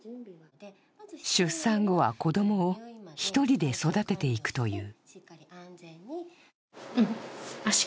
出産後は子供を１人で育てていくという。